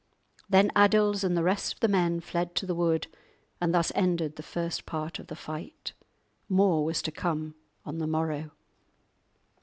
Then Adils and the rest of the men fled to the wood, and thus ended the first part of the fight. More was to come on the morrow.